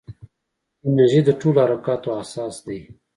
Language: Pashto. انرژي د ټولو حرکاتو اساس دی.